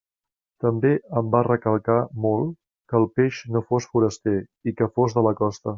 També em va recalcar molt que el peix no fos foraster i que fos de la costa.